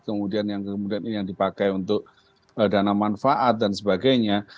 kemudian yang dipakai untuk dana manfaat dan sebagainya